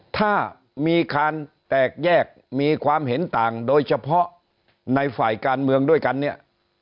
ถ้ามีการแตกแยกมีความเห็นต่างโดยเฉพาะในฝ่ายการเมืองด้วยกันเนี่ย